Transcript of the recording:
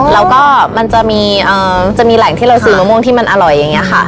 แล้วก็มันจะมีแหล่งที่เราซื้อมะม่วงที่มันอร่อยอย่างนี้ค่ะ